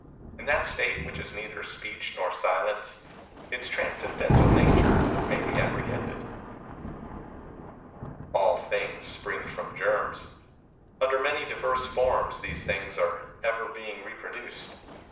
In that state which is neither speech nor silence, its transcendental nature may be apprehended." All things spring from germs. Under many diverse forms these things are ever being repro duced.